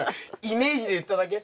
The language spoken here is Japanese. イメージで言っただけ？